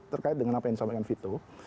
terkait dengan apa yang disampaikan vito